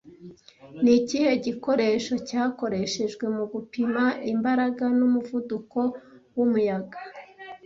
Ni ikihe gikoresho cyakoreshejwe mu gupima imbaraga n'umuvuduko w'umuyaga